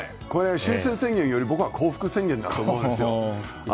終戦宣言より僕は降伏宣言だと思うんですよ。